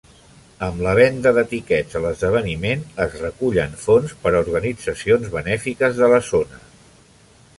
Amb la venda de tiquets a l'esdeveniment es recullen fons per a organitzacions benèfiques de la zona.